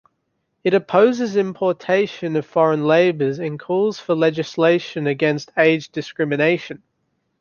It opposes importation of foreign labours and calls for legislation against age discrimination.